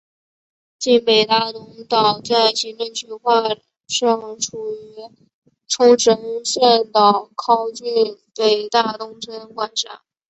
今北大东岛在行政区划上属于冲绳县岛尻郡北大东村管辖。